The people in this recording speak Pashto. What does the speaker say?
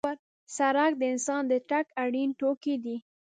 سړک د انسان د تګ اړین توکی دی.